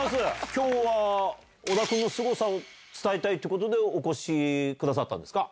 きょうは、小田君のすごさを伝えたいってことでお越しくださったんですか。